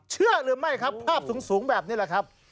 เชื่อหรือไม่ครับภาพสูงแบบนี้แหละครับ